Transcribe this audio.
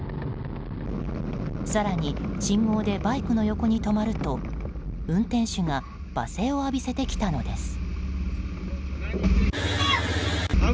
更に信号でバイクの横に止まると運転手が罵声を浴びせてきたのです。